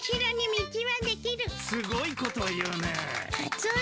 すごいことを言うね。